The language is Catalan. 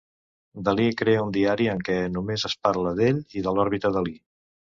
Dalí crea un diari en què només es parla d'ell i de l'òrbita Dalí.